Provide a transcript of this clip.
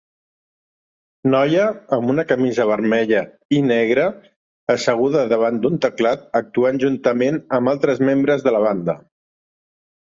Noia amb una camisa vermella i negra asseguda davant d'un teclat actuant juntament amb altres membres de la banda.